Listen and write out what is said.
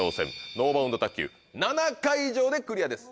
ノーバウンド卓球７回以上でクリアです